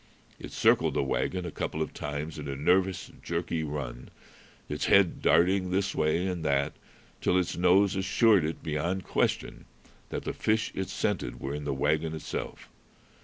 It circled the wagon a couple of times in a nervous, jerky run, its head darting this way and that, till its nose assured it beyond question that the fish it scented were in the wagon itself.